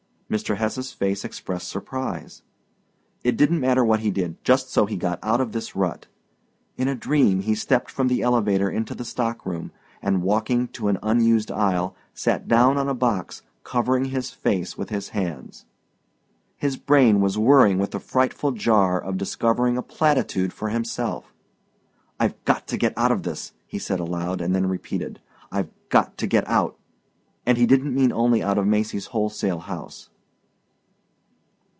Mr. Hesse's face expressed surprise. It didn't matter what he did just so he got out of this rut. In a dream he stepped from the elevator into the stock room, and walking to an unused aisle, sat down on a box, covering his face with his hands. His brain was whirring with the frightful jar of discovering a platitude for himself. "I've got to get out of this," he said aloud and then repeated, "I've got to get out" and he didn't mean only out of Macy's wholesale house.